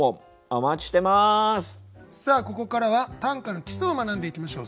さあここからは短歌の基礎を学んでいきましょう。